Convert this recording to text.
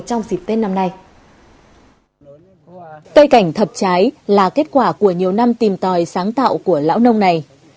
cây cảnh thập trái là kết quả của nhiều năm tìm tòi sáng tạo của lão nông này